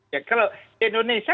ya kalau di indonesia